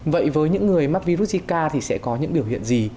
vậy với những người mắc virus zika thì sẽ có những biểu hiện gì